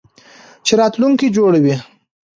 چې راتلونکی جوړوي.